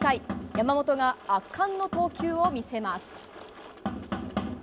山本が圧巻の投球を見せます。